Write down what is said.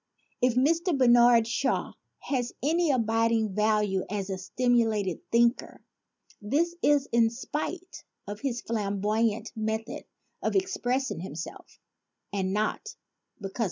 If Mr. Bernard Shaw has any abiding value as a stimulating thinker this is in spite of his flam boyant method of expressing himself and not because of it.